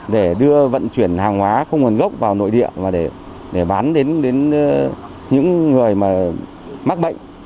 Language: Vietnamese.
để đưa vận chuyển hàng hóa không nguồn gốc vào nội địa và để bán đến những người mắc bệnh